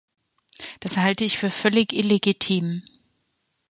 Das halte ich für völlig illegitim.